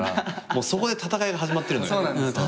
もうそこで戦いが始まってるのよ。